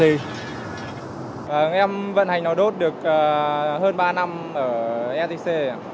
em vận hành nò đốt được hơn ba năm ở sxc